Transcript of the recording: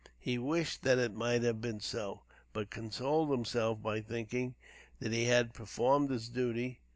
He wished that it might have been so, but consoled himself by thinking that he had performed his duty."